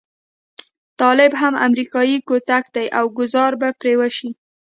طالب هم امريکايي کوتک دی او ګوزار به پرې وشي.